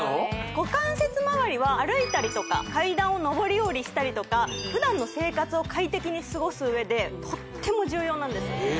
股関節まわりは歩いたりとか階段をのぼりおりしたりとか普段の生活を快適に過ごす上でとっても重要なんですええ